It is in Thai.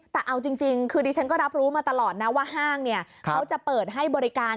แต่เอาจริงคือดิฉันก็รับรู้มาตลอดนะว่าห้างเขาจะเปิดให้บริการ